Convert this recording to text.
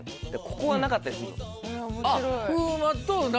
ここはなかったりするの。